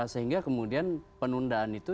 sehingga kemudian penundaan itu